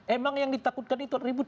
emang yang ditakutkan itu ribut